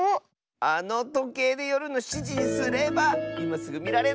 あのとけいでよるの７じにすればいますぐみられるッス！